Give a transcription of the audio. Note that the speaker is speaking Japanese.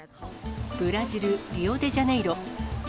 ブラジル・リオデジャネイロ。